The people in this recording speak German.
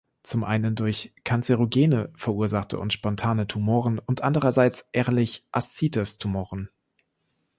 Zum einen durch Kanzerogene verursachte und spontane Tumoren und andererseits Ehrlich-Ascites-Tumoren.